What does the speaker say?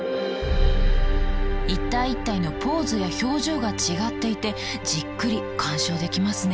一体一体のポーズや表情が違っていてじっくり鑑賞できますね。